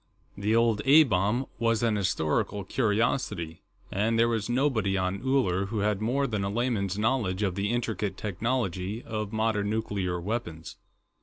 The old A bomb was an historical curiosity, and there was nobody on Uller who had more than a layman's knowledge of the intricate technology of modern nuclear weapons.